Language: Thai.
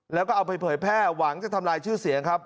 แล้วก็เอาไปเผยแพร่หวังจะทำลายชื่อเสียงครับ